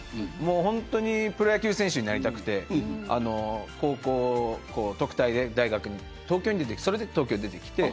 本当にプロ野球選手になりたくて高校から特待で大学に行ってそれで東京に出てきて。